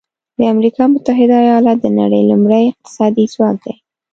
د امریکا متحده ایالات د نړۍ لومړی اقتصادي ځواک دی.